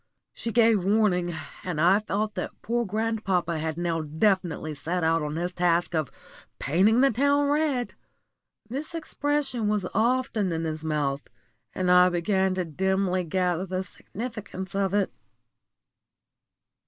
She gave warning, and I felt that poor grandpapa had now definitely set out on his great task of "painting the town red." This expression was often in his mouth, and I began to dimly gather the significance of it.